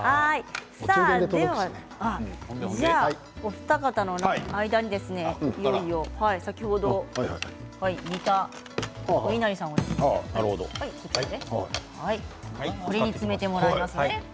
お二方の間にいよいよ先ほど煮たおいなりさんをこれに詰めてもらいますね。